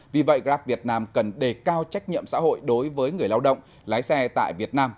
vì vậy grab việt nam cần đề cao trách nhiệm xã hội đối với người lao động lái xe tại việt nam